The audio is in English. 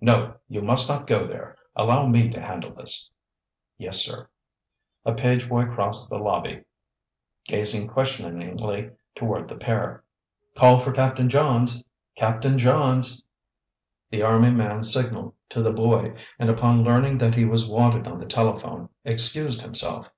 "No, you must not go there! Allow me to handle this." "Yes, sir." A page boy crossed the lobby, gazing questioningly toward the pair. "Call for Captain Johns! Captain Johns!" The army man signaled to the boy, and upon learning that he was wanted on the telephone, excused himself.